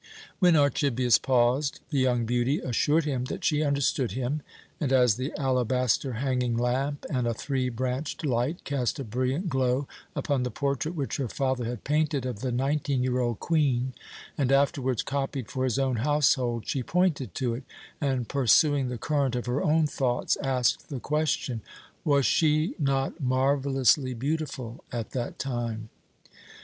When Archibius paused, the young beauty assured him that she understood him; and as the alabaster hanging lamp and a three branched light cast a brilliant glow upon the portrait which her father had painted of the nineteen year old Queen, and afterwards copied for his own household, she pointed to it, and, pursuing the current of her own thoughts, asked the question: "Was she not marvellously beautiful at that time?"